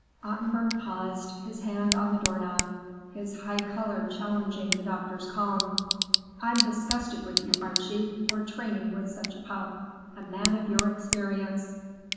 Ottenburg paused, his hand on the doorknob, his high color challenging the doctor's calm. "I'm disgusted with you, Archie, for training with such a pup. A man of your experience!"